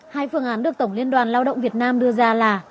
hai phương án được tổng liên đoàn lao động việt nam đưa ra là